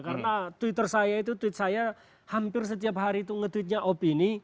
karena twitter saya itu tweet saya hampir setiap hari itu nge tweetnya opine